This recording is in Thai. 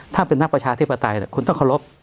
ถ้าเป็นนักประชาธิปไตยคุณต้องเคารพ